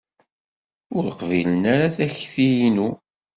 Ur qbilen ara takti-inu.